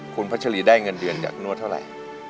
คุณพัชรีได้เงินเดือนจากนวดเท่าไหร่